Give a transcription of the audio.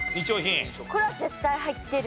これは絶対入ってる。